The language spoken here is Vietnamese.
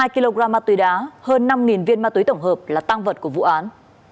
hai kg ma túy đá hơn năm viên ma túy tổng hợp là tăng vật của vụ án